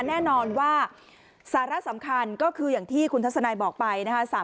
แน่นอนว่าสาระสำคัญก็คืออย่างที่คุณทัศนายบอกไปนะคะ